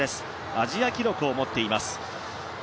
アジア記録をもっています。